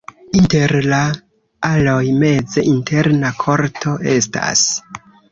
Inter la aloj meze interna korto estas.